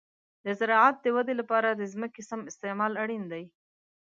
د زراعت د ودې لپاره د ځمکې سم استعمال اړین دی.